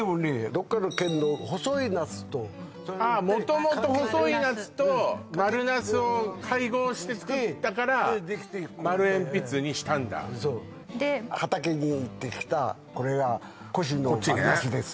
どっかの県の細いナスとああもともと細いナスと丸茄子を配合して作ったから丸えんぴつにしたんだそうで畑に行ってきたこれが越の丸茄子です